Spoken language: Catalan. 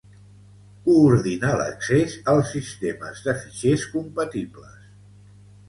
Coordina l'accés als sistemes de fitxers compatibles.